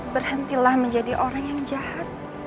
berhentilah menjadi orang yang jahat